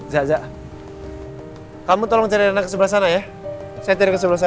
za za kamu tolong cari rena ke sebelah sana ya saya cari ke sebelah sana